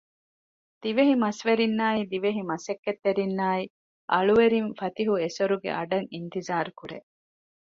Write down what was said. ދިވެހި މަސްވެރިންނާއި ދިވެހި މަސައްކަތްތެރިންނާއި އަޅުވެރިން ފަތިހު އެސޮރުގެ އަޑަށް އިންތިޒާރު ކުރޭ